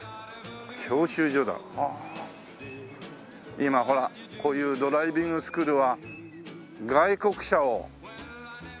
今ほらこういうドライビングスクールは外国車を使うんですね。